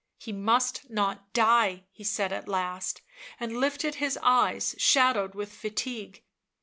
" He must not die/ 7 he said at last and lifted his eyes, shadowed with fatigue.